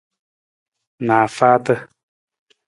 Naafaata.